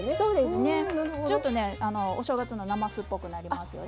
ちょっとお正月のなますっぽくなりますよね。